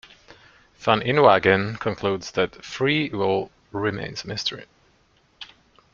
Van Inwagen concludes that "Free Will Remains a Mystery.